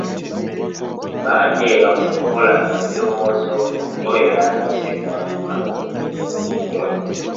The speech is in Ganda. Baateeka mu nkola ebirowoozo nga bwe ebyateesebwa abatuuze b'omu kitundu.